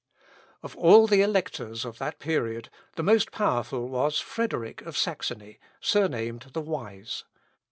Of all the Electors of that period, the most powerful was Frederick of Saxony, surnamed the Wise.